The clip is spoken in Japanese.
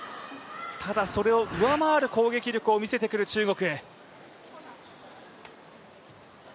ただ、それを上回る攻撃力を見せてくる中国。